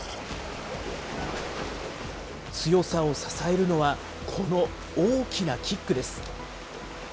強さを支えるのは、この大きなキックです。